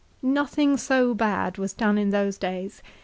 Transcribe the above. " Nothing so bad was done in those days